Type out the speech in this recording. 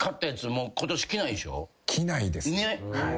着ないですはい。